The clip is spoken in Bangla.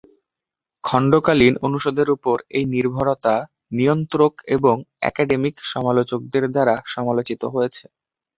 খণ্ডকালীন অনুষদের উপর এই নির্ভরতা নিয়ন্ত্রক এবং একাডেমিক সমালোচকদের দ্বারা সমালোচিত হয়েছে।